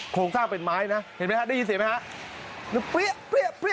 โครงสร้างเป็นไม้นะเห็นไหมฮะได้ยินเสียงไหมฮะ